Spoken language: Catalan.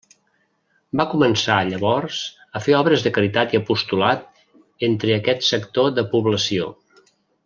Va començar, llavors, a fer obres de caritat i apostolat entre aquest sector de població.